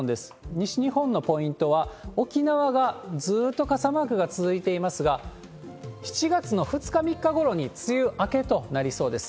西日本のポイントは、沖縄がずーっと傘マークが続いていますが、７月の２日、３日ごろに梅雨明けとなりそうです。